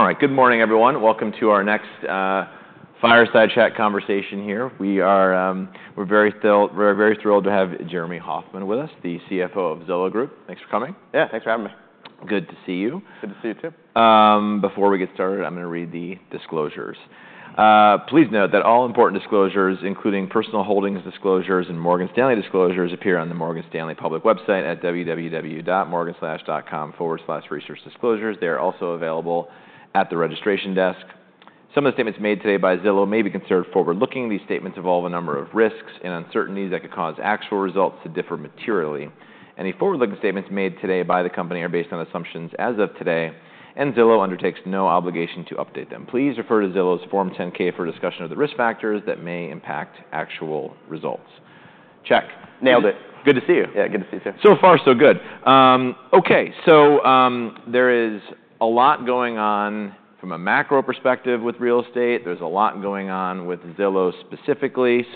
All right. Good morning, everyone. Welcome to our next fireside chat conversation here. We're very thrilled to have Jeremy Hofmann with us, the CFO of Zillow Group. Thanks for coming. Yeah, thanks for having me. Good to see you. Good to see you too. Before we get started, I'm going to read the disclosures. Please note that all important disclosures, including personal holdings disclosures and Morgan Stanley disclosures, appear on the Morgan Stanley public website at www.morganstanley.com/researchdisclosures. They are also available at the registration desk. Some of the statements made today by Zillow may be considered forward-looking. These statements involve a number of risks and uncertainties that could cause actual results to differ materially. Any forward-looking statements made today by the company are based on assumptions as of today, and Zillow undertakes no obligation to update them. Please refer to Zillow's Form 10-K for discussion of the risk factors that may impact actual results. Check. Nailed it. Good to see you. Yeah, good to see you too. So far, so good. Okay. There is a lot going on from a macro perspective with real estate. There's a lot going on with Zillow specifically.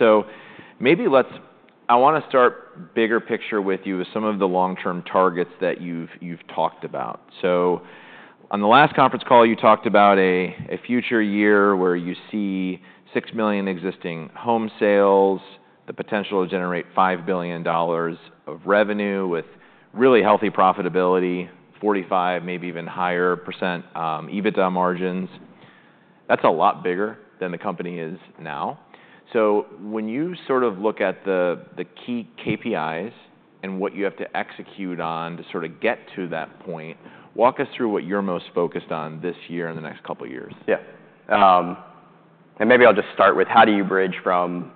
Maybe let's—I want to start bigger picture with you with some of the long-term targets that you've talked about. On the last conference call, you talked about a future year where you see 6 million existing home sales, the potential to generate $5 billion of revenue with really healthy profitability, 45%, maybe even higher percent EBITDA margins. That's a lot bigger than the company is now. When you sort of look at the key KPIs and what you have to execute on to sort of get to that point, walk us through what you're most focused on this year and the next couple of years. Yeah, and maybe I'll just start with how do you bridge from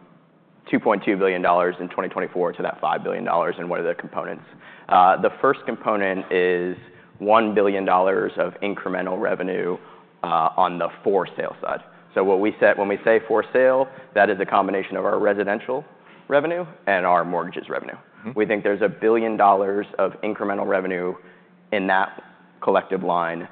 $2.2 billion in 2024 to that $5 billion and what are the components? The first component is $1 billion of incremental revenue, on the for-sale side. So what we set, when we say for-sale, that is a combination of our residential revenue and our mortgages revenue. We think there's a billion dollars of incremental revenue in that collective line,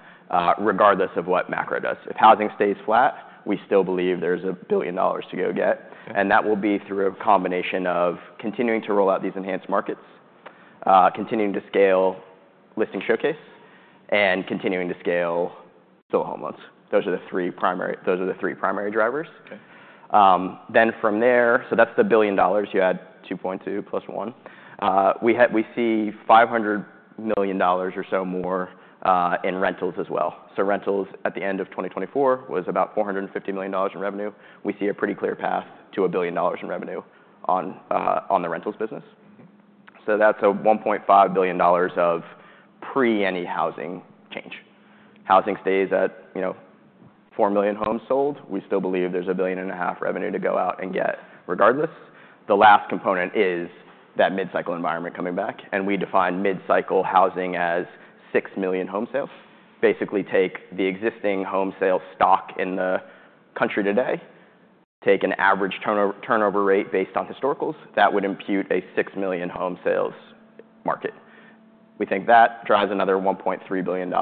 regardless of what macro does. If housing stays flat, we still believe there's a billion dollars to go get, and that will be through a combination of continuing to roll out these Enhanced Markets, continuing to scale Listing Showcase, and continuing to scale Zillow Home Loans. Those are the three primary drivers. Then from there, so that's the $1 billion. You add $2.2 billion plus $1 billion. We see $500 million or so more in rentals as well. Rentals at the end of 2024 was about $450 million in revenue. We see a pretty clear path to $1 billion in revenue on the rentals business. So that's $1.5 billion of pre-any housing change. Housing stays at, you know, 4 million homes sold. We still believe there's $1.5 billion revenue to go out and get regardless. The last component is that mid-cycle environment coming back. We define mid-cycle housing as 6 million home sales. Basically, take the existing home sales stock in the country today, take an average turnover rate based on historicals that would impute a 6 million home sales market. We think that drives another $1.3 billion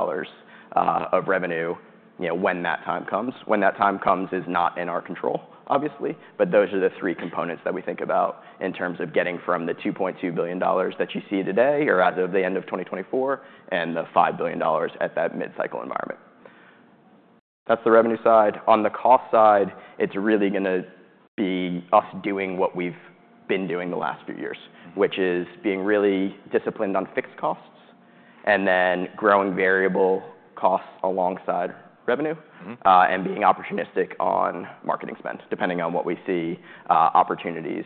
of revenue, you know, when that time comes. When that time comes is not in our control, obviously, but those are the three components that we think about in terms of getting from the $2.2 billion that you see today or as of the end of 2024 and the $5 billion at that mid-cycle environment. That's the revenue side. On the cost side, it's really going to be us doing what we've been doing the last few years, which is being really disciplined on fixed costs and then growing variable costs alongside revenue, and being opportunistic on marketing spend depending on what we see, opportunities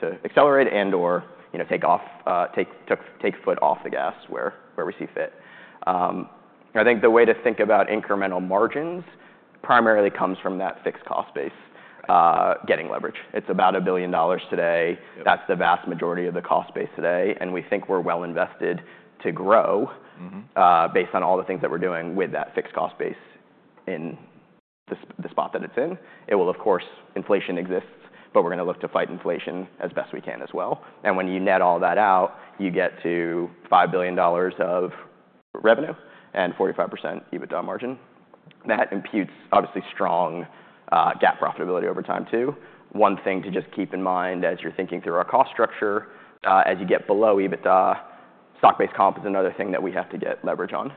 to accelerate and/or, you know, take off, take foot off the gas where we see fit. I think the way to think about incremental margins primarily comes from that fixed cost base, getting leverage. It's about $1 billion today. That's the vast majority of the cost base today. And we think we're well invested to grow, based on all the things that we're doing with that fixed cost base in the spot that it's in. It will, of course. Inflation exists, but we're going to look to fight inflation as best we can as well. And when you net all that out, you get to $5 billion of revenue and 45% EBITDA margin. That imputes, obviously, strong GAAP profitability over time too. One thing to just keep in mind as you're thinking through our cost structure, as you get below EBITDA, stock-based comp is another thing that we have to get leverage on.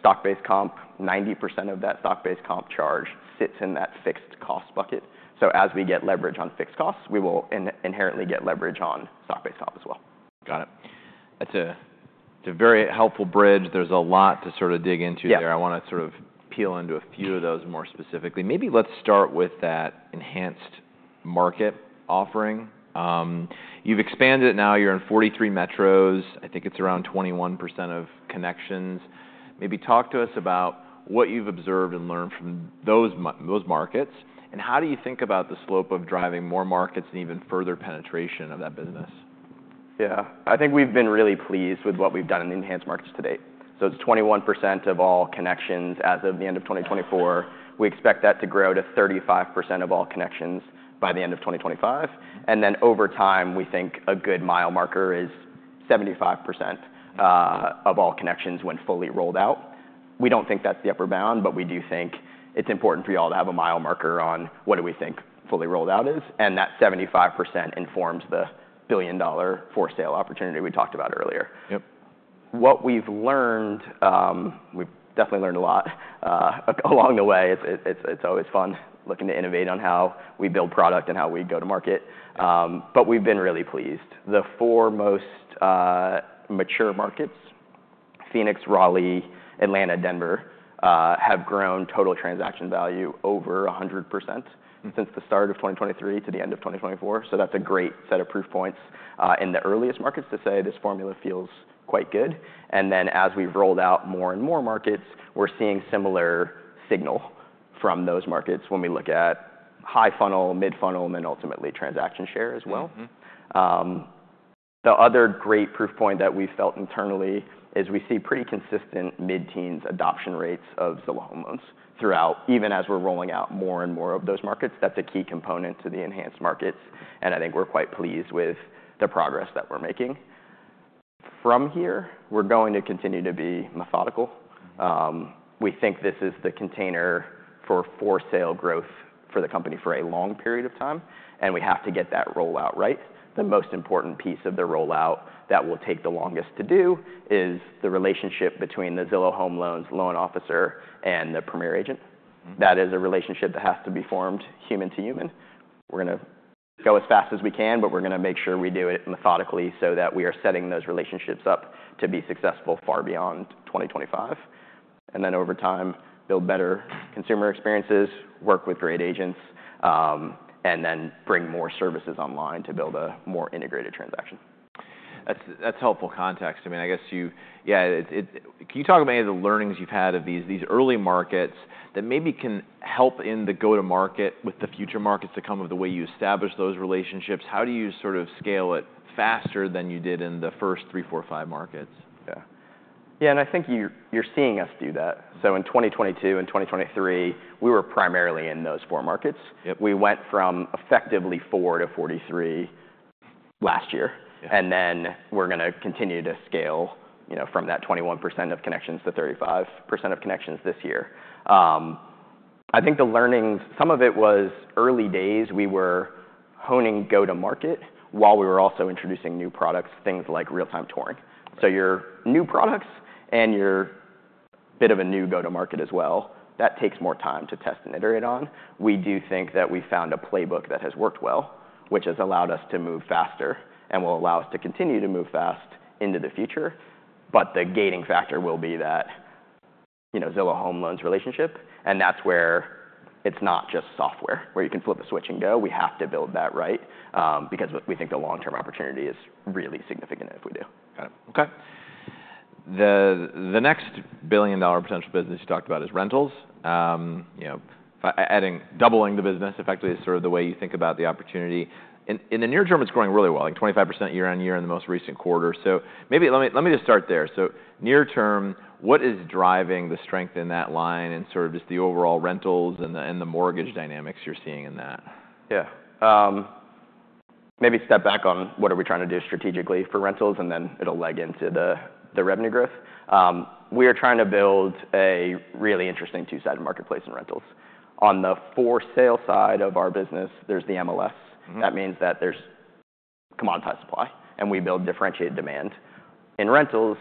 Stock-based comp, 90% of that stock-based comp charge sits in that fixed cost bucket. So as we get leverage on fixed costs, we will inherently get leverage on stock-based comp as well. Got it. That's a very helpful bridge. There's a lot to sort of dig into there. I want to sort of peel into a few of those more specifically. Maybe let's start with that enhanced market offering. You've expanded it, now you're in 43 metros. I think it's around 21% of connections. Maybe talk to us about what you've observed and learned from those markets and how do you think about the slope of driving more markets and even further penetration of that business? Yeah. I think we've been really pleased with what we've done in Enhanced Markets to date. So it's 21% of all connections as of the end of 2024. We expect that to grow to 35% of all connections by the end of 2025. And then over time, we think a good mile marker is 75% of all connections when fully rolled out. We don't think that's the upper bound, but we do think it's important for y'all to have a mile marker on what do we think fully rolled out is. And that 75% informs the billion-dollar for-sale opportunity we talked about earlier. What we've learned, we've definitely learned a lot, along the way. It's always fun looking to innovate on how we build product and how we go to market. But we've been really pleased. The four most mature markets, Phoenix, Raleigh, Atlanta, Denver, have grown total transaction value over 100% since the start of 2023 to the end of 2024. So that's a great set of proof points, in the earliest markets to say this formula feels quite good. And then as we've rolled out more and more markets, we're seeing similar signal from those markets when we look at high funnel, mid-funnel, and then ultimately transaction share as well. The other great proof point that we've felt internally is we see pretty consistent mid-teens adoption rates of Zillow Home Loans throughout, even as we're rolling out more and more of those markets. That's a key component to the Enhanced Markets. I think we're quite pleased with the progress that we're making. From here, we're going to continue to be methodical. We think this is the container for for-sale growth for the company for a long period of time. We have to get that rollout right. The most important piece of the rollout that will take the longest to do is the relationship between the Zillow Home Loans loan officer and the Premier Agent. That is a relationship that has to be formed human to human. We're going to go as fast as we can, but we're going to make sure we do it methodically so that we are setting those relationships up to be successful far beyond 2025. And then over time, build better consumer experiences, work with great agents, and then bring more services online to build a more integrated transaction. That's helpful context. I mean, can you talk about any of the learnings you've had of these early markets that maybe can help in the go-to-market with the future markets to come of the way you establish those relationships? How do you sort of scale it faster than you did in the first three, four, five markets? Yeah. Yeah. And I think you're seeing us do that. So in 2022 and 2023, we were primarily in those four markets. We went from effectively 4-43 last year. And then we're going to continue to scale, you know, from that 21% of connections to 35% of connections this year. I think the learnings, some of it was early days. We were honing go-to-market while we were also introducing new products, things like Real-Time Touring. So your new products and your bit of a new go-to-market as well, that takes more time to test and iterate on. We do think that we found a playbook that has worked well, which has allowed us to move faster and will allow us to continue to move fast into the future. But the gating factor will be that, you know, Zillow Home Loans relationship. That's where it's not just software where you can flip a switch and go. We have to build that right, because we think the long-term opportunity is really significant if we do. Got it. Okay. The next billion-dollar potential business you talked about is rentals. You know, adding, doubling the business effectively is sort of the way you think about the opportunity. In the near term, it's growing really well, like 25% year-on-year in the most recent quarter. So maybe let me just start there. So near term, what is driving the strength in that line and sort of just the overall rentals and the mortgage dynamics you're seeing in that? Yeah. Maybe step back on what we are trying to do strategically for rentals, and then it'll leg into the revenue growth. We are trying to build a really interesting two-sided marketplace in rentals. On the for-sale side of our business, there's the MLS. That means that there's commoditized supply, and we build differentiated demand. In rentals,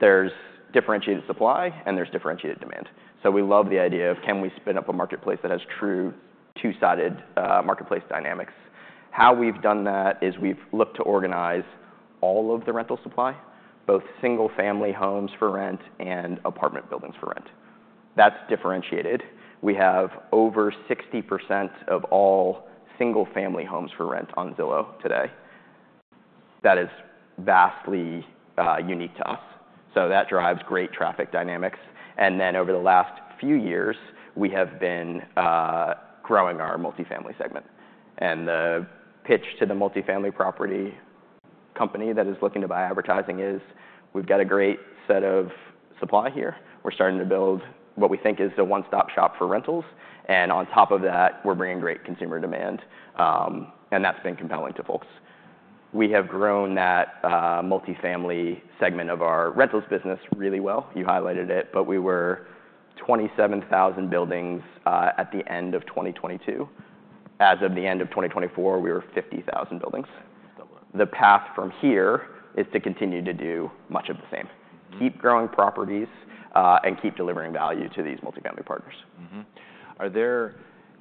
there's differentiated supply, and there's differentiated demand. So we love the idea of can we spin up a marketplace that has true two-sided marketplace dynamics. How we've done that is we've looked to organize all of the rental supply, both single-family homes for rent and apartment buildings for rent. That's differentiated. We have over 60% of all single-family homes for rent on Zillow today. That is vastly unique to us. So that drives great traffic dynamics. And then over the last few years, we have been growing our multifamily segment. And the pitch to the multifamily property company that is looking to buy advertising is we've got a great set of supply here. We're starting to build what we think is a one-stop shop for rentals. And on top of that, we're bringing great consumer demand, and that's been compelling to folks. We have grown that multifamily segment of our rentals business really well. You highlighted it, but we were 27,000 buildings at the end of 2022. As of the end of 2024, we were 50,000 buildings. The path from here is to continue to do much of the same. Keep growing properties, and keep delivering value to these multifamily partners. Are there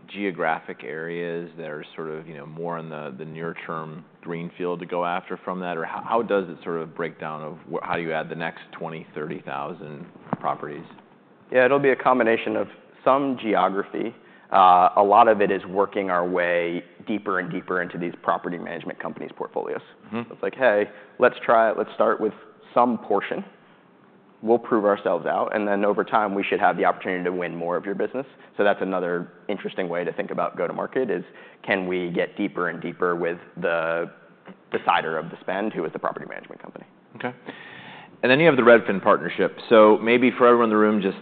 geographic areas that are sort of, you know, more on the near-term greenfield to go after from that? Or how does it sort of break down of how do you add the next 20,000, 30,000 properties? Yeah, it'll be a combination of some geography. A lot of it is working our way deeper and deeper into these property management companies' portfolios. It's like, hey, let's try it. Let's start with some portion. We'll prove ourselves out, and then over time, we should have the opportunity to win more of your business. So that's another interesting way to think about go-to-market: is can we get deeper and deeper with the decider of the spend, who is the property management company? Okay. And then you have the Redfin partnership. So maybe for everyone in the room, just,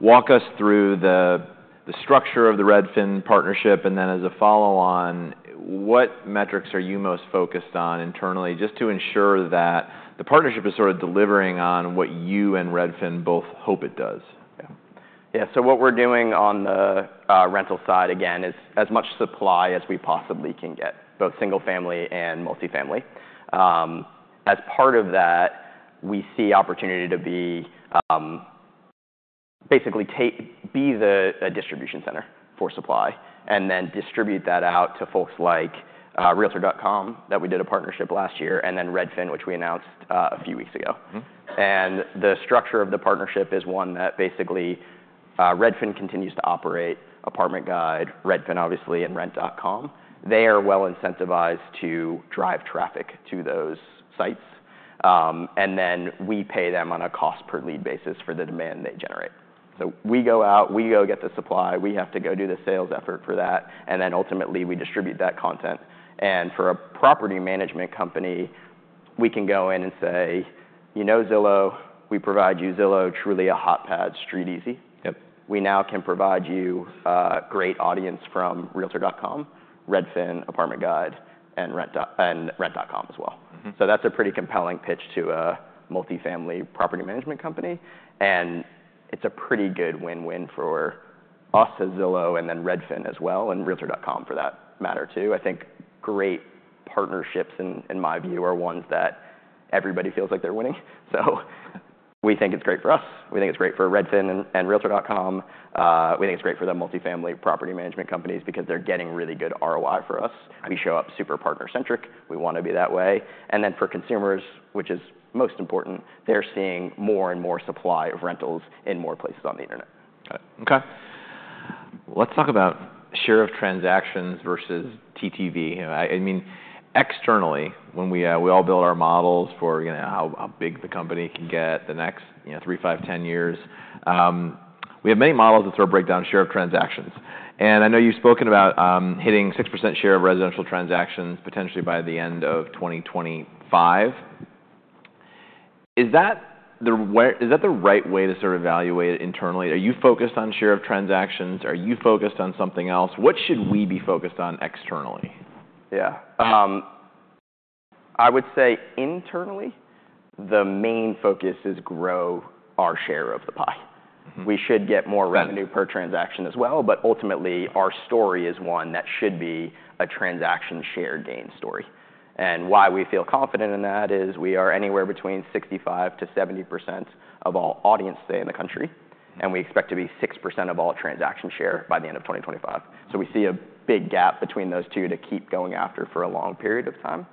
walk us through the structure of the Redfin partnership. And then as a follow-on, what metrics are you most focused on internally just to ensure that the partnership is sort of delivering on what you and Redfin both hope it does? Yeah. Yeah. So what we're doing on the rental side, again, is as much supply as we possibly can get, both single-family and multifamily. As part of that, we see opportunity to be, basically be the distribution center for supply and then distribute that out to folks like, Realtor.com that we did a partnership last year and then Redfin, which we announced, a few weeks ago. And the structure of the partnership is one that basically, Redfin continues to operate, Apartment Guide, Redfin, obviously, and Rent.com. They are well incentivized to drive traffic to those sites. And then we pay them on a cost per lead basis for the demand they generate. So we go out, we go get the supply, we have to go do the sales effort for that. And then ultimately, we distribute that content. For a property management company, we can go in and say, you know, Zillow. We provide you Zillow, Trulia, a HotPads, StreetEasy. We now can provide you a great audience from Realtor.com, Redfin, Apartment Guide, and Rent.com as well. So that's a pretty compelling pitch to a multifamily property management company. And it's a pretty good win-win for us as Zillow and then Redfin as well and Realtor.com for that matter too. I think great partnerships, in my view, are ones that everybody feels like they're winning. So we think it's great for us. We think it's great for Redfin and Realtor.com. We think it's great for the multifamily property management companies because they're getting really good ROI for us. We show up super partner-centric. We want to be that way. And then for consumers, which is most important, they're seeing more and more supply of rentals in more places on the Internet. Okay. Let's talk about share of transactions versus TTV. I mean, externally, when we all build our models for, you know, how big the company can get the next, you know, three, five, 10 years, we have many models that sort of break down share of transactions. And I know you've spoken about hitting 6% share of residential transactions potentially by the end of 2025. Is that the right way to sort of evaluate it internally? Are you focused on share of transactions? Are you focused on something else? What should we be focused on externally? Yeah. I would say internally, the main focus is grow our share of the pie. We should get more revenue per transaction as well, but ultimately, our story is one that should be a transaction share gain story. And why we feel confident in that is we are anywhere between 65%-70% of all audience today in the country, and we expect to be 6% of all transaction share by the end of 2025. So we see a big gap between those two to keep going after for a long period of time.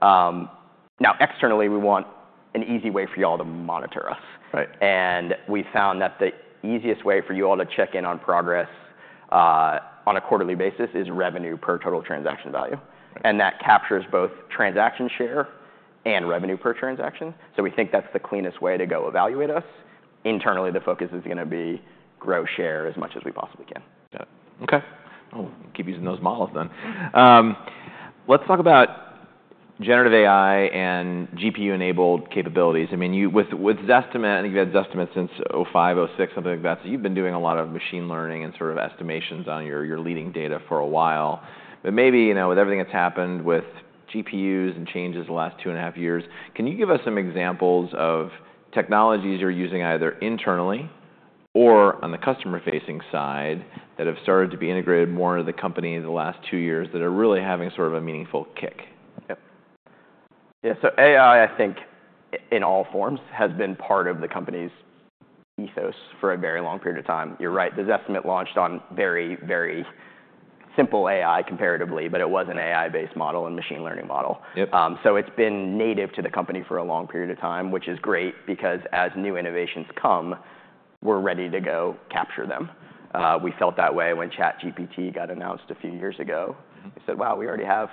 Now externally, we want an easy way for y'all to monitor us. And we found that the easiest way for you all to check in on progress, on a quarterly basis is revenue per total transaction value. And that captures both transaction share and revenue per transaction. So we think that's the cleanest way to go evaluate us. Internally, the focus is going to be grow share as much as we possibly can. Okay. We'll keep using those models then. Let's talk about generative AI and GPU-enabled capabilities. I mean, with Zestimate, I think you've had Zestimate since 2005, 2006, something like that. So you've been doing a lot of machine learning and sort of estimations on your leading data for a while. But maybe, you know, with everything that's happened with GPUs and changes the last two and a half years, can you give us some examples of technologies you're using either internally or on the customer-facing side that have started to be integrated more into the company in the last two years that are really having sort of a meaningful kick? Yep. Yeah. So AI, I think in all forms, has been part of the company's ethos for a very long period of time. You're right. The Zestimate launched on very, very simple AI comparatively, but it was an AI-based model and machine learning model. So it's been native to the company for a long period of time, which is great because as new innovations come, we're ready to go capture them. We felt that way when ChatGPT got announced a few years ago. We said, wow, we already have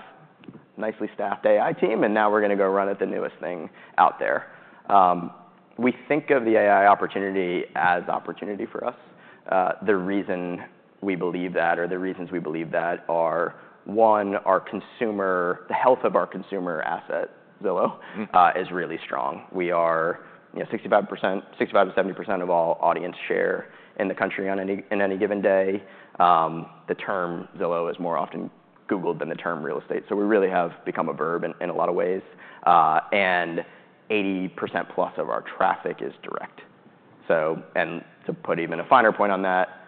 a nicely staffed AI team, and now we're going to go run at the newest thing out there. We think of the AI opportunity as opportunity for us. The reason we believe that, or the reasons we believe that, are one, our consumer, the health of our consumer asset, Zillow, is really strong. We are 65%-70% of all audience share in the country on any given day. The term Zillow is more often Googled than the term real estate, so we really have become a verb in a lot of ways, and 80%+ of our traffic is direct. So, and to put even a finer point on that,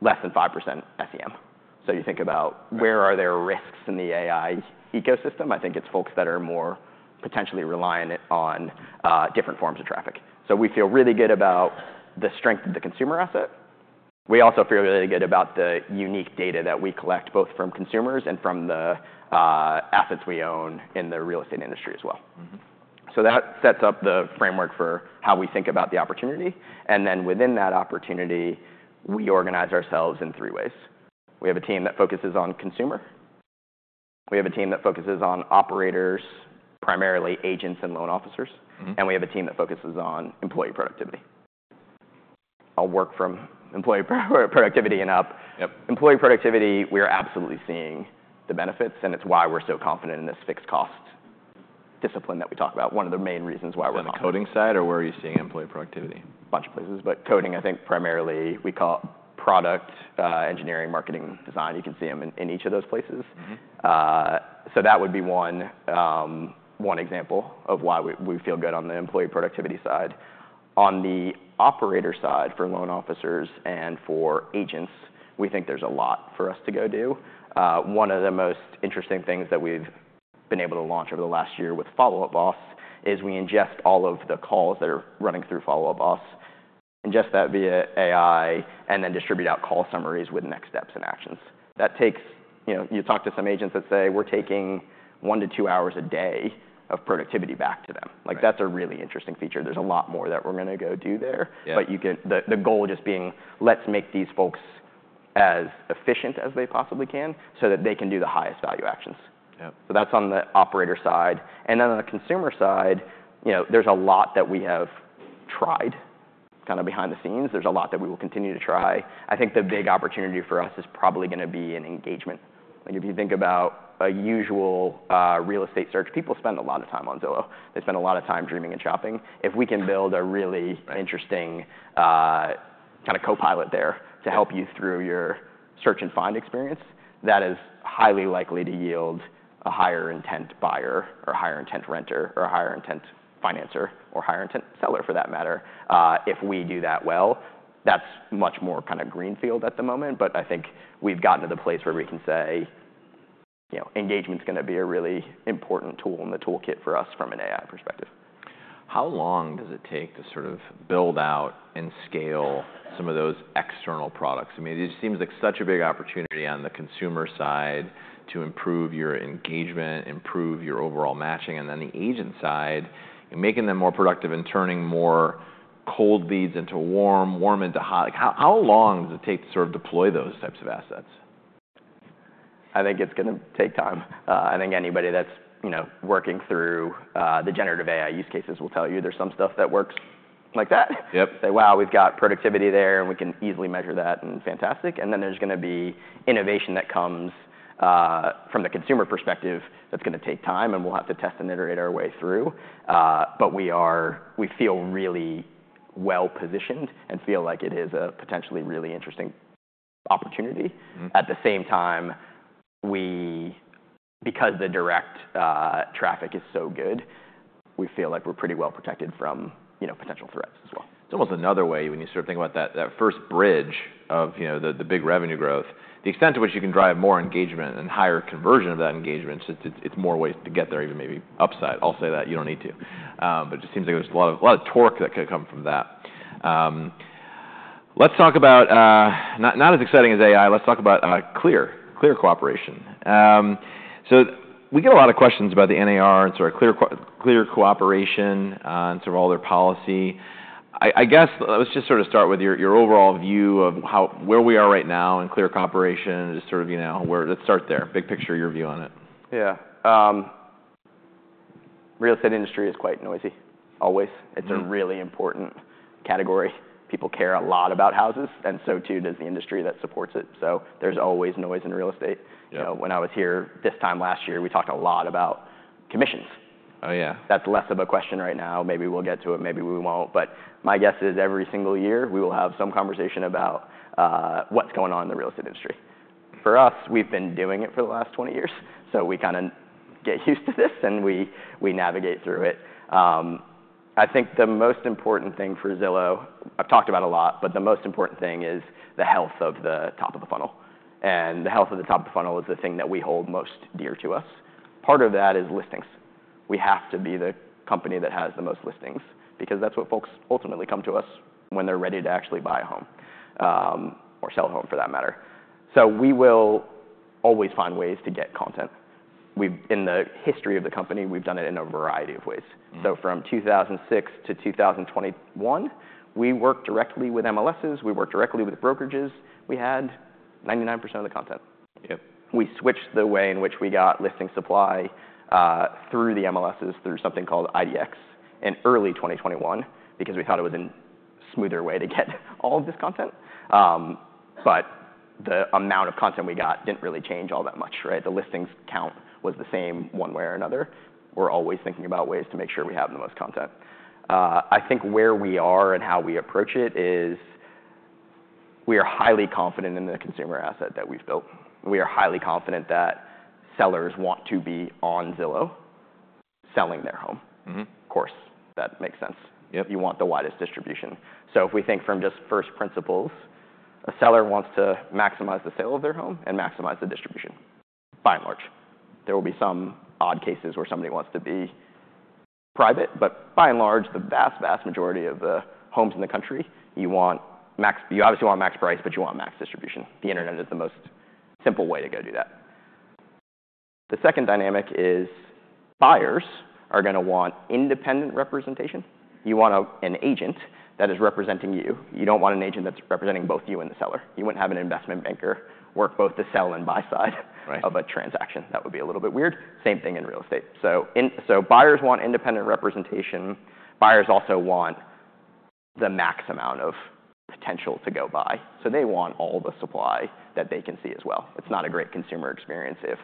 less than 5% SEM, so you think about where are there risks in the AI ecosystem. I think it's folks that are more potentially reliant on different forms of traffic, so we feel really good about the strength of the consumer asset. We also feel really good about the unique data that we collect both from consumers and from the assets we own in the real estate industry as well, so that sets up the framework for how we think about the opportunity. And then within that opportunity, we organize ourselves in three ways. We have a team that focuses on consumer. We have a team that focuses on operators, primarily agents and loan officers. And we have a team that focuses on employee productivity. I'll work from employee productivity and up. Employee productivity, we are absolutely seeing the benefits, and it's why we're so confident in this fixed cost discipline that we talk about. One of the main reasons why we're not. Is it the coding side or where are you seeing employee productivity? A bunch of places, but coding, I think primarily we call it product engineering, marketing, design. You can see them in each of those places. So that would be one example of why we feel good on the employee productivity side. On the operator side for loan officers and for agents, we think there's a lot for us to go do. One of the most interesting things that we've been able to launch over the last year with Follow Up Boss is we ingest all of the calls that are running through Follow Up Boss and just that via AI and then distribute out call summaries with next steps and actions. That takes, you know, you talk to some agents that say, we're taking one to two hours a day of productivity back to them. Like that's a really interesting feature. There's a lot more that we're going to go do there, but the goal just being, let's make these folks as efficient as they possibly can so that they can do the highest value actions, so that's on the operator side, and then on the consumer side, you know, there's a lot that we have tried kind of behind the scenes. There's a lot that we will continue to try. I think the big opportunity for us is probably going to be in engagement. Like if you think about a usual real estate search, people spend a lot of time on Zillow. They spend a lot of time dreaming and shopping. If we can build a really interesting kind of co-pilot there to help you through your search and find experience, that is highly likely to yield a higher intent buyer or a higher intent renter or a higher intent financer or higher intent seller for that matter. If we do that well, that's much more kind of greenfield at the moment, but I think we've gotten to the place where we can say, you know, engagement's going to be a really important tool in the toolkit for us from an AI perspective. How long does it take to sort of build out and scale some of those external products? I mean, it just seems like such a big opportunity on the consumer side to improve your engagement, improve your overall matching, and then the agent side, making them more productive and turning more cold leads into warm, warm into hot. How long does it take to sort of deploy those types of assets? I think it's going to take time. I think anybody that's, you know, working through the generative AI use cases will tell you there's some stuff that works like that. Say, wow, we've got productivity there and we can easily measure that and fantastic, and then there's going to be innovation that comes from the consumer perspective that's going to take time and we'll have to test and iterate our way through. But we feel really well-positioned and feel like it is a potentially really interesting opportunity. At the same time, because the direct traffic is so good, we feel like we're pretty well protected from, you know, potential threats as well. It's almost another way when you sort of think about that first bridge of, you know, the big revenue growth, the extent to which you can drive more engagement and higher conversion of that engagement. It's more ways to get there, even maybe upside. I'll say that you don't need to, but it just seems like there's a lot of torque that could come from that. Let's talk about not as exciting as AI. Let's talk about Clear Cooperation. So we get a lot of questions about the NAR and sort of Clear Cooperation and sort of all their policy. I guess let's just sort of start with your overall view of where we are right now and Clear Cooperation is sort of, you know, let's start there. Big picture, your view on it. Yeah. Real estate industry is quite noisy, always. It's a really important category. People care a lot about houses, and so too does the industry that supports it. So there's always noise in real estate. So when I was here this time last year, we talked a lot about commissions. Oh yeah. That's less of a question right now. Maybe we'll get to it, maybe we won't, but my guess is every single year we will have some conversation about what's going on in the real estate industry. For us, we've been doing it for the last 20 years, so we kind of get used to this and we navigate through it. I think the most important thing for Zillow, I've talked about a lot, but the most important thing is the health of the top of the funnel, and the health of the top of the funnel is the thing that we hold most dear to us. Part of that is listings. We have to be the company that has the most listings because that's what folks ultimately come to us when they're ready to actually buy a home or sell a home for that matter. So we will always find ways to get content. In the history of the company, we've done it in a variety of ways. So from 2006-2021, we worked directly with MLSs, we worked directly with brokerages. We had 99% of the content. We switched the way in which we got listing supply through the MLSs through something called IDX in early 2021 because we thought it was a smoother way to get all of this content. But the amount of content we got didn't really change all that much, right? The listings count was the same one way or another. We're always thinking about ways to make sure we have the most content. I think where we are and how we approach it is we are highly confident in the consumer asset that we've built. We are highly confident that sellers want to be on Zillow selling their home. Of course, that makes sense. You want the widest distribution. So if we think from just first principles, a seller wants to maximize the sale of their home and maximize the distribution, by and large. There will be some odd cases where somebody wants to be private, but by and large, the vast, vast majority of the homes in the country, you want max, you obviously want max price, but you want max distribution. The Internet is the most simple way to go do that. The second dynamic is buyers are going to want independent representation. You want an agent that is representing you. You don't want an agent that's representing both you and the seller. You wouldn't have an investment banker work both the sell and buy side of a transaction. That would be a little bit weird. Same thing in real estate. So buyers want independent representation. Buyers also want the max amount of potential to go buy. So they want all the supply that they can see as well. It's not a great consumer experience if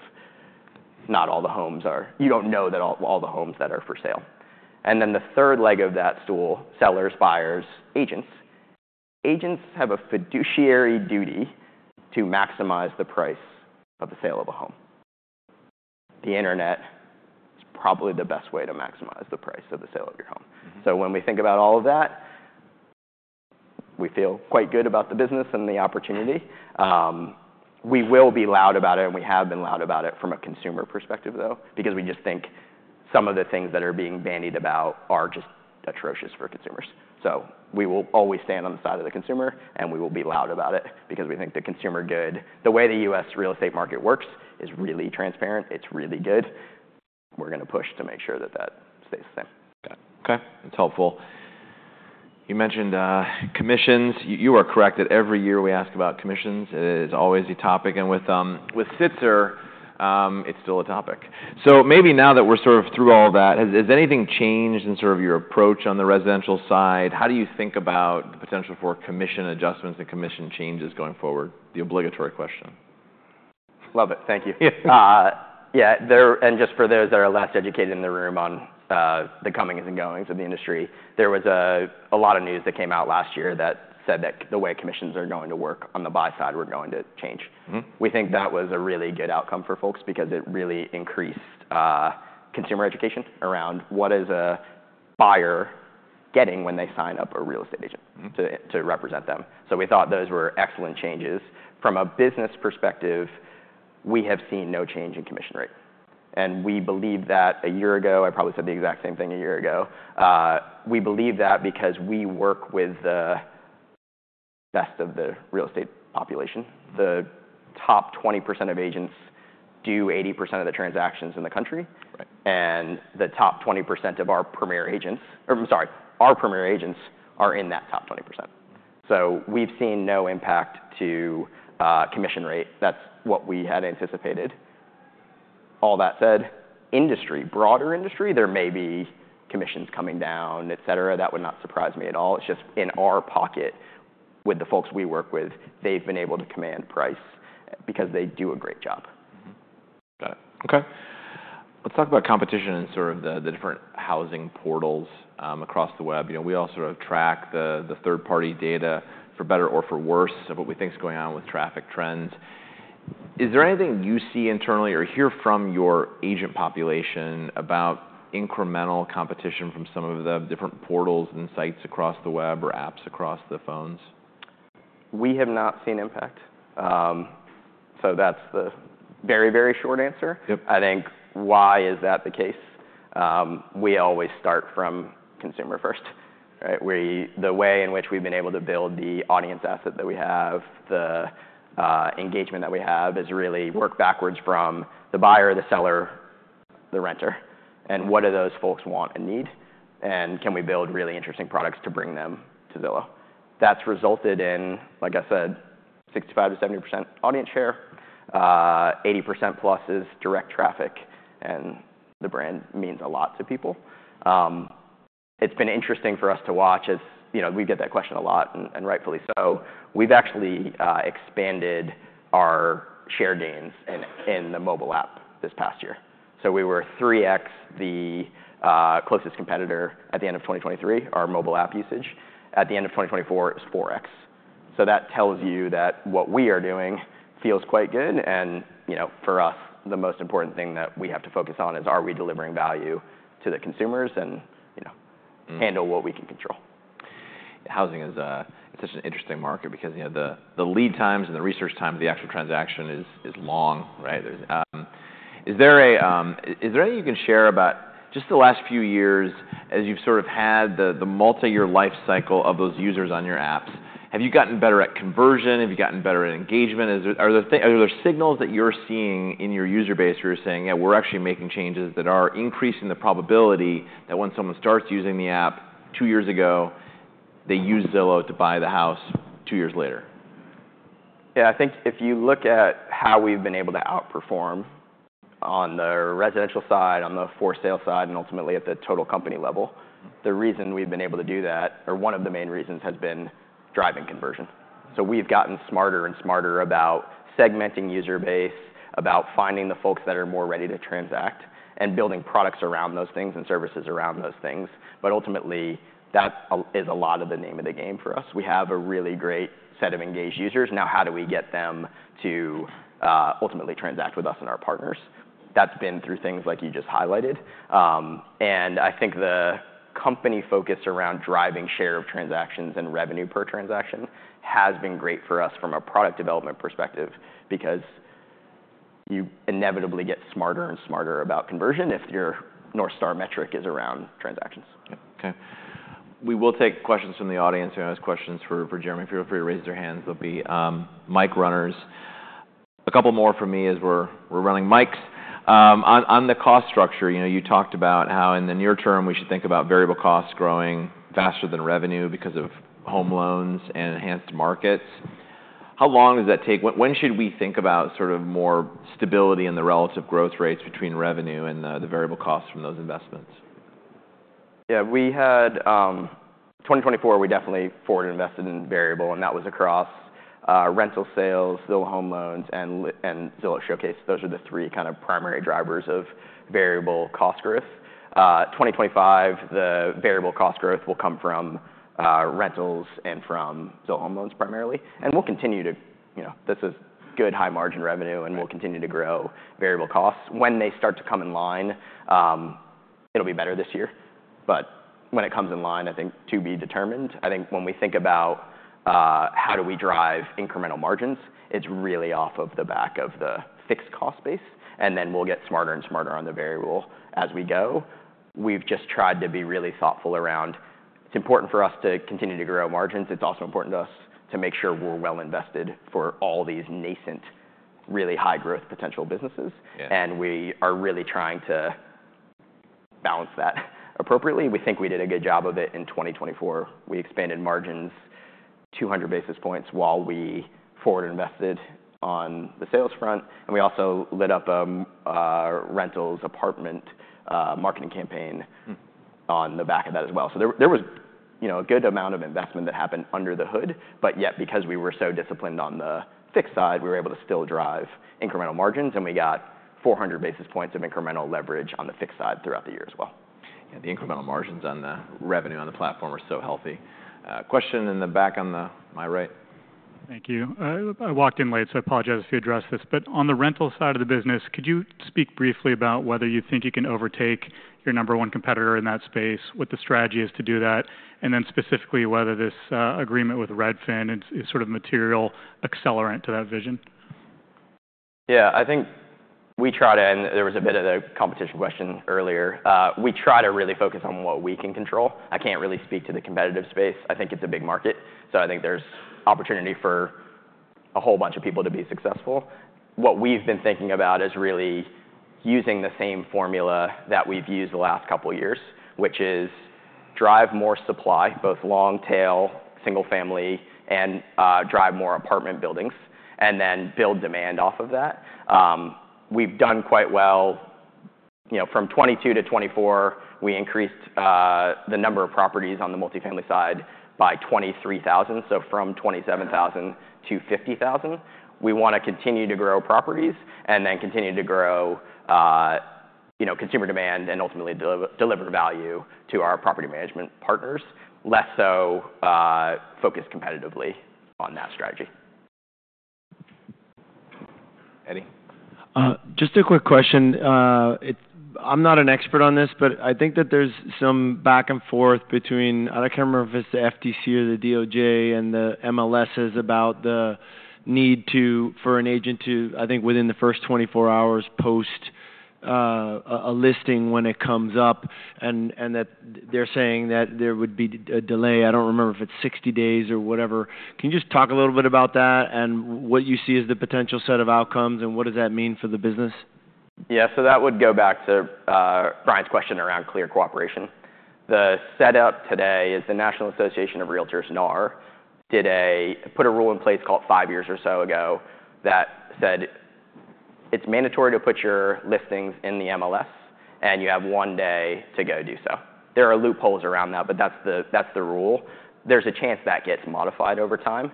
not all the homes are. You don't know that all the homes that are for sale. And then the third leg of that stool, sellers, buyers, agents. Agents have a fiduciary duty to maximize the price of the sale of a home. The Internet is probably the best way to maximize the price of the sale of your home. So when we think about all of that, we feel quite good about the business and the opportunity. We will be loud about it, and we have been loud about it from a consumer perspective though, because we just think some of the things that are being bandied about are just atrocious for consumers. So we will always stand on the side of the consumer, and we will be loud about it because we think the consumer good, the way the U.S. real estate market works is really transparent. It's really good. We're going to push to make sure that that stays the same. Okay. That's helpful. You mentioned commissions. You are correct that every year we ask about commissions. It is always a topic. And with Sitzer, it's still a topic. So maybe now that we're sort of through all of that, has anything changed in sort of your approach on the residential side? How do you think about the potential for commission adjustments and commission changes going forward? The obligatory question. Love it. Thank you. Yeah. And just for those that are less educated in the room on the comings and goings of the industry, there was a lot of news that came out last year that said that the way commissions are going to work on the buy side were going to change. We think that was a really good outcome for folks because it really increased consumer education around what is a buyer getting when they sign up a real estate agent to represent them. So we thought those were excellent changes. From a business perspective, we have seen no change in commission rate. And we believe that a year ago, I probably said the exact same thing a year ago. We believe that because we work with the best of the real estate population. The top 20% of agents do 80% of the transactions in the country. The top 20% of our Premier Agents, or I'm sorry, our Premier Agents are in that top 20%. So we've seen no impact to commission rate. That's what we had anticipated. All that said, industry, broader industry, there may be commissions coming down, et cetera. That would not surprise me at all. It's just in our pocket with the folks we work with, they've been able to command price because they do a great job. Got it. Okay. Let's talk about competition and sort of the different housing portals across the web. You know, we all sort of track the third-party data for better or for worse of what we think is going on with traffic trends. Is there anything you see internally or hear from your agent population about incremental competition from some of the different portals and sites across the web or apps across the phones? We have not seen impact. So that's the very, very short answer. I think why is that the case? We always start from consumer first, right? The way in which we've been able to build the audience asset that we have, the engagement that we have is really work backwards from the buyer, the seller, the renter. And what do those folks want and need? And can we build really interesting products to bring them to Zillow? That's resulted in, like I said, 65%-70% audience share. 80%+ is direct traffic, and the brand means a lot to people. It's been interesting for us to watch as, you know, we get that question a lot, and rightfully so. We've actually expanded our share gains in the mobile app this past year. So we were 3x the closest competitor at the end of 2023. Our mobile app usage at the end of 2024 is 4x. So that tells you that what we are doing feels quite good, and you know, for us, the most important thing that we have to focus on is are we delivering value to the consumers and, you know, handle what we can control. Housing is such an interesting market because, you know, the lead times and the research time of the actual transaction is long, right? Is there anything you can share about just the last few years as you've sort of had the multi-year life cycle of those users on your apps? Have you gotten better at conversion? Have you gotten better at engagement? Are there signals that you're seeing in your user base where you're saying, yeah, we're actually making changes that are increasing the probability that when someone starts using the app two years ago, they use Zillow to buy the house two years later? Yeah, I think if you look at how we've been able to outperform on the residential side, on the for sale side, and ultimately at the total company level, the reason we've been able to do that, or one of the main reasons has been driving conversion. So we've gotten smarter and smarter about segmenting user base, about finding the folks that are more ready to transact, and building products around those things and services around those things. But ultimately, that is a lot of the name of the game for us. We have a really great set of engaged users. Now, how do we get them to ultimately transact with us and our partners? That's been through things like you just highlighted. I think the company focus around driving share of transactions and revenue per transaction has been great for us from a product development perspective because you inevitably get smarter and smarter about conversion if your North Star metric is around transactions. Okay. We will take questions from the audience. I have questions for Jeremy. Feel free to raise their hands. They'll be mic runners. A couple more from me as we're running mics. On the cost structure, you know, you talked about how in the near term we should think about variable costs growing faster than revenue because of home loans and Enhanced Markets. How long does that take? When should we think about sort of more stability in the relative growth rates between revenue and the variable costs from those investments? Yeah, in 2024, we definitely forward invested in variable, and that was across rental sales, Zillow Home Loans, and Zillow Showcase. Those are the three kind of primary drivers of variable cost growth. In 2025, the variable cost growth will come from rentals and from Zillow Home Loans primarily. And we'll continue to, you know, this is good high margin revenue, and we'll continue to grow variable costs. When they start to come in line, it'll be better this year. But when it comes in line, I think to be determined. I think when we think about how do we drive incremental margins, it's really off of the back of the fixed cost base. And then we'll get smarter and smarter on the variable as we go. We've just tried to be really thoughtful around. It's important for us to continue to grow margins. It's also important to us to make sure we're well invested for all these nascent, really high growth potential businesses. And we are really trying to balance that appropriately. We think we did a good job of it in 2024. We expanded margins 200 basis points while we forward invested on the sales front. And we also lit up a rentals apartment marketing campaign on the back of that as well. So there was, you know, a good amount of investment that happened under the hood, but yet because we were so disciplined on the fixed side, we were able to still drive incremental margins. And we got 400 basis points of incremental leverage on the fixed side throughout the year as well. Yeah, the incremental margins on the revenue on the platform are so healthy. Question in the back on my right. Thank you. I walked in late, so I apologize if you addressed this, but on the rental side of the business, could you speak briefly about whether you think you can overtake your number one competitor in that space, what the strategy is to do that, and then specifically whether this agreement with Redfin is sort of material accelerant to that vision? Yeah, I think we try to, and there was a bit of a competition question earlier. We try to really focus on what we can control. I can't really speak to the competitive space. I think it's a big market. So I think there's opportunity for a whole bunch of people to be successful. What we've been thinking about is really using the same formula that we've used the last couple of years, which is drive more supply, both long tail, single family, and drive more apartment buildings, and then build demand off of that. We've done quite well. You know, from 2022-2024, we increased the number of properties on the multifamily side by 23,000. So from 27,000-50,000. We want to continue to grow properties and then continue to grow, you know, consumer demand and ultimately deliver value to our property management partners, less so focused competitively on that strategy. Eddie. Just a quick question. I'm not an expert on this, but I think that there's some back and forth between, I can't remember if it's the FTC or the DOJ and the MLSs about the need for an agent to, I think within the first 24 hours post a listing when it comes up, and that they're saying that there would be a delay. I don't remember if it's 60 days or whatever. Can you just talk a little bit about that and what you see as the potential set of outcomes and what does that mean for the business? Yeah, so that would go back to Brian's question around Clear Cooperation. The setup today is the National Association of Realtors (NAR) did a put a rule in place called five years or so ago that said it's mandatory to put your listings in the MLS, and you have one day to go do so. There are loopholes around that, but that's the rule. There's a chance that gets modified over time.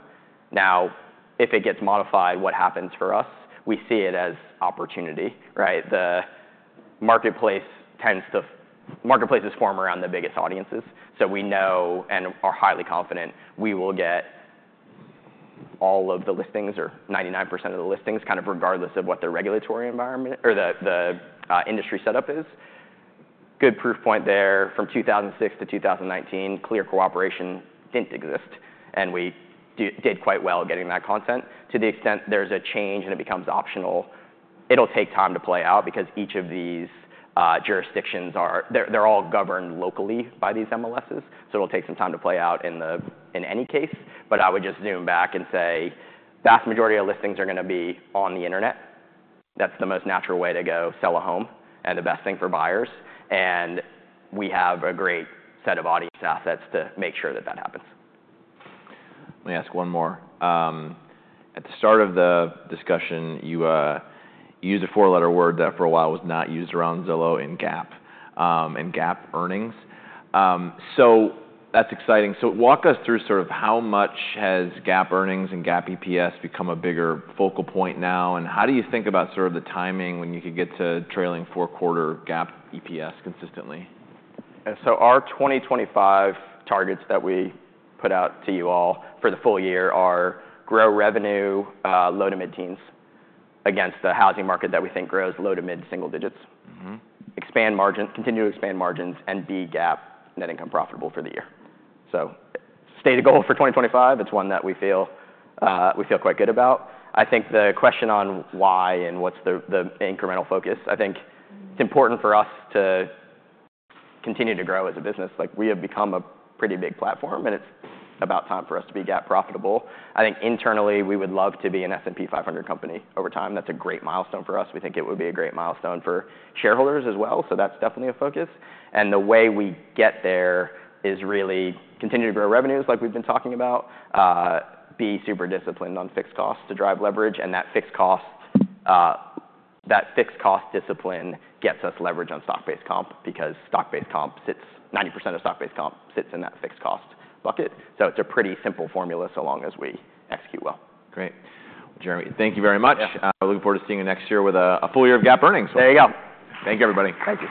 Now, if it gets modified, what happens for us? We see it as opportunity, right? The marketplace tends to, marketplaces form around the biggest audiences. So we know and are highly confident we will get all of the listings or 99% of the listings kind of regardless of what the regulatory environment or the industry setup is. Good proof point there from 2006-2019, Clear Cooperation didn't exist, and we did quite well getting that content. To the extent there's a change and it becomes optional, it'll take time to play out because each of these jurisdictions are, they're all governed locally by these MLSs, so it'll take some time to play out in any case, but I would just zoom back and say vast majority of listings are going to be on the Internet. That's the most natural way to go sell a home and the best thing for buyers, and we have a great set of audience assets to make sure that that happens. Let me ask one more. At the start of the discussion, you used a four-letter word that for a while was not used around Zillow in GAAP and GAAP earnings. So that's exciting. So walk us through sort of how much has GAAP earnings and GAAP EPS become a bigger focal point now? And how do you think about sort of the timing when you could get to trailing four-quarter GAAP EPS consistently? So our 2025 targets that we put out to you all for the full year are grow revenue, low-to-mid-teens against the housing market that we think grows low-to-mid-single-digits. Expand margins, continue to expand margins, and be GAAP net income profitable for the year. So stated goal for 2025, it's one that we feel quite good about. I think the question on why and what's the incremental focus, I think it's important for us to continue to grow as a business. Like we have become a pretty big platform and it's about time for us to be GAAP profitable. I think internally we would love to be an S&P 500 company over time. That's a great milestone for us. We think it would be a great milestone for shareholders as well. So that's definitely a focus. And the way we get there is really continue to grow revenues like we've been talking about, be super disciplined on fixed costs to drive leverage. And that fixed cost, that fixed cost discipline gets us leverage on stock-based comp because stock-based comp sits, 90% of stock-based comp sits in that fixed cost bucket. So it's a pretty simple formula so long as we execute well. Great. Jeremy, thank you very much. Looking forward to seeing you next year with a full year of GAAP earnings. There you go. Thank you, everybody. Thank you.